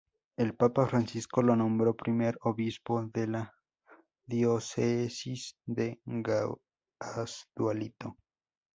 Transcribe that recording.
El Papa Francisco lo nombró primer obispo de la Diócesis de Guasdualito.